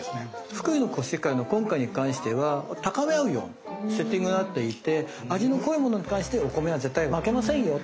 福井のコシヒカリの今回に関しては高め合うようにセッティングなっていて味の濃いものに対してお米は絶対負けませんよと。